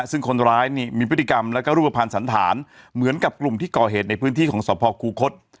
ซึ่งคนร้ายนี่มีพฤติกรรมแล้วก็รูปภัณฑ์สันธารเหมือนกับกลุ่มที่ก่อเหตุในพื้นที่ของสภคูคศ